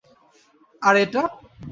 আর এটা?